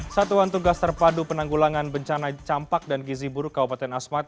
satuan tugas terpadu penanggulangan bencana campak dan gizi buruk kabupaten asmat